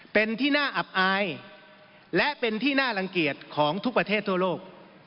เป็นที่น่าอับอายและเป็นที่น่ารังเกียจของทุกประเทศทั่วโลก